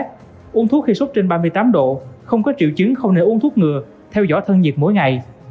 thứ bảy uống thuốc khi sốt trên ba mươi tám độ không có triệu chứng không nên uống thuốc ngừa theo dõi thân nhiệt mỗi ngày